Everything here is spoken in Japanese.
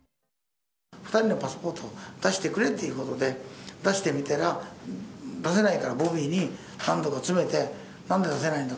２人のパスポートを出してくれということで出してみたら、出せないからボビーに何度か詰めて何で出せないんだ。